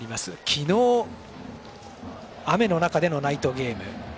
昨日、雨の中でのナイトゲーム。